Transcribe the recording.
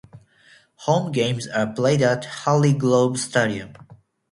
Home games are played at Harry Grove Stadium.